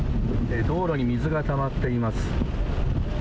道路に水がたまっています。